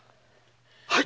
はい！